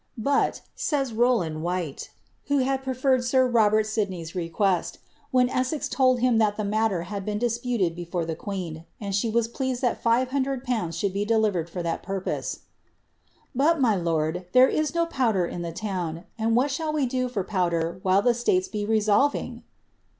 "*But,' said Roivland Whyie, who had preferred sir Robert Sidney's request, when Essex told him that die matter had been disputed before the queen, and she was pleased that five hundred pounds sliould be delivered for that purpose —' but, mv lorl, there is no powder in the town, and what shall we do for powder while llie Slates be resolving